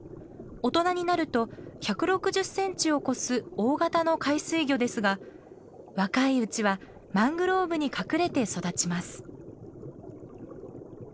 大人になると１６０センチを超す大型の海水魚ですが若いうちはマングローブに隠れて育ちます。